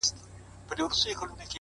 توري جامې ګه دي راوړي دي” نو وایې غونده”